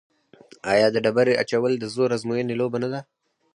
آیا د ډبرې اچول د زور ازموینې لوبه نه ده؟